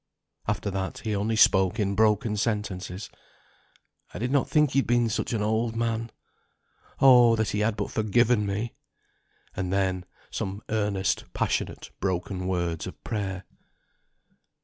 After that he only spoke in broken sentences. "I did not think he'd been such an old man, Oh! that he had but forgiven me," and then came earnest, passionate, broken words of prayer.